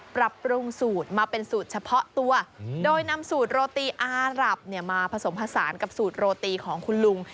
ปรับปรุงสูตรมาเป็นสูตรเฉพาะตัวโดยนำสูตรโรตีอารับมาผสมผสานกับสูตรโรตีของคุณลุง